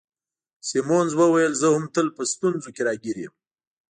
سیمونز وویل: زه هم تل په ستونزو کي راګیر یم.